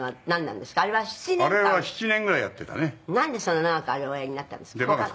「なんでそんな長くあれおやりになったんですか？」